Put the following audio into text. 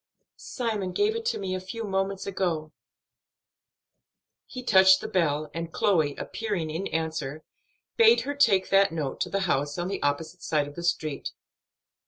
"Simon gave it to me a few moments since." He touched the bell, and, Chloe appearing in answer, bade her take that note to the house on the opposite side of the street.